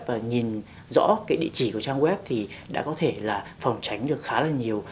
và nhìn rõ cái địa chỉ của trang web thì đã có thể là phòng tránh được khá là nhiều